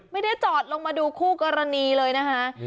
ไม่ได้จอดลงมาดูคู่กรณีเลยนะคะ